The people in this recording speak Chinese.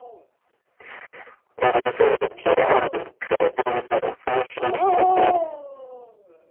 硫酸铁铵可当作分析试剂。